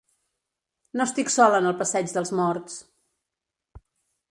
No estic sola en el passeig dels morts.